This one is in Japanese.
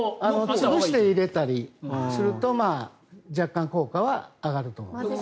潰して入れたりすると若干効果は上がると思います。